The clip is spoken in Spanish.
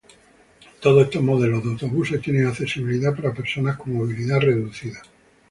Todos estos modelos de autobuses tienen accesibilidad para personas con movilidad reducida.